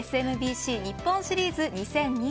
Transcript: ＳＭＢＣ日本シリーズ２０２２